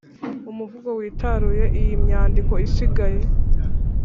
Umuvugo witaruye iyi myandiko isigaye